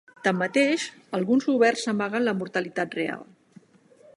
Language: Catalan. Tanmateix, alguns governs amaguen la mortalitat real.